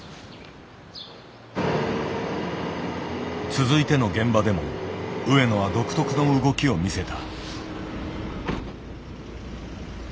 続いての現場でも上野は独特の動きを見せた。